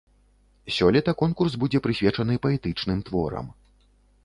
Сёлета конкурс будзе прысвечаны паэтычным творам.